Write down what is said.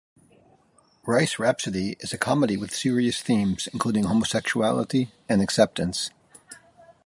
"Rice Rhapsody" is a comedy with serious themes, including homosexuality and acceptance.